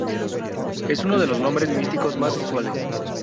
Es uno de los nombre místicos más usuales.